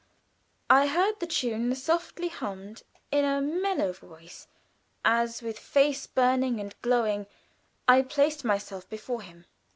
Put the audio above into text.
I heard the tune softly hummed in a mellow voice, as with face burning and glowing, I placed myself before him.